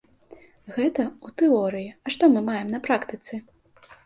Гэта ў тэорыі, а што мы маем на практыцы?